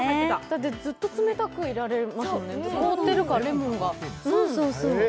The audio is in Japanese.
ずっと冷たくいられますよね、凍ってるから、レモンが。